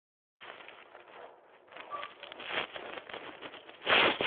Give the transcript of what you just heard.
ეს ეს იყო ადგილი, სადაც მან ისწავლა ინსტრუმენტებზე დაკვრა და დაწერა პირველი სიმღერები.